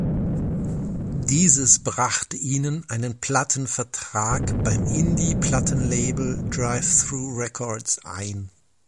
Dieses brachte ihnen einen Plattenvertrag beim Indie-Plattenlabel "Drive-Thru Records" ein.